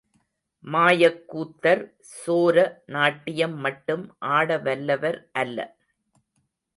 மாயக் கூத்தர் சோர நாட்டியம் மட்டும் ஆடவல்லவர் அல்ல.